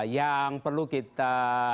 yang perlu kita